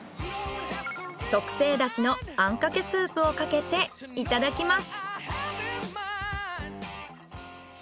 特製出汁のあんかけスープをかけていただきます。